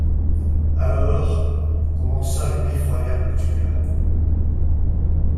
Alors, commença une effroyable bousculade.